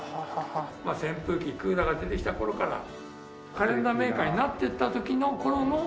扇風機クーラーが出てきた頃からカレンダーメーカーになっていった頃のカレンダー。